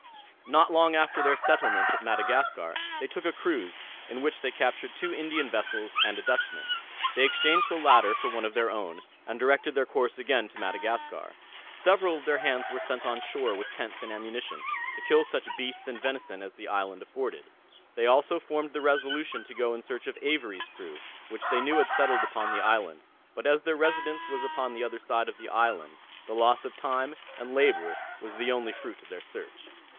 Not long after their settlement at Madagascar, they took a cruise, in which they captured two Indian vessels and a Dutchman. They exchanged the latter for one of their own, and directed their course again to Madagascar. Several of their hands were sent on shore with tents and ammunition, to kill such beasts and venison as the island afforded. They also formed the resolution to go in search of Avery's crew, which they knew had settled upon the island; but as their residence was upon the other side of the island, the loss of time and labour was the only fruit of their search.